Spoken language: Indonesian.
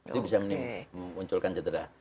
itu bisa menimbulkan cedera